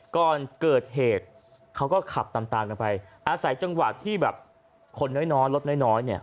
ก่อนเกิดเหตุเขาก็ขับตามตามกันไปอาศัยจังหวะที่แบบคนน้อยรถน้อยเนี่ย